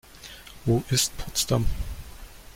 Wo ist Potsdam?